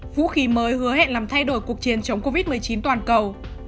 vũ khí mới hứa hẹn làm thay đổi cuộc chiến chống covid một mươi chín toàn cầu